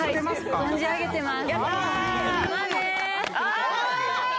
存じ上げています。